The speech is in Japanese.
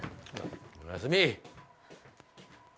おやすみ。